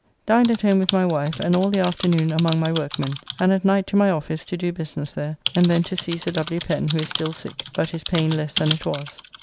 Dined at home with my wife, and all the afternoon among my workmen, and at night to my office to do business there, and then to see Sir W. Pen, who is still sick, but his pain less than it was.